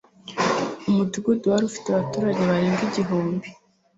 umudugudu wari ufite abaturage barenga igihumbi